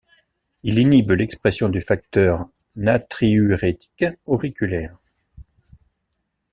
Il inhibe l'expression du facteur natriurétique auriculaire.